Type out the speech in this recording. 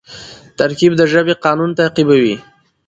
ترکیب د ژبي قانون تعقیبوي.